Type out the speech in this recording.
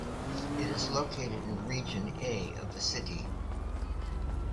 It is located in Region A of the City.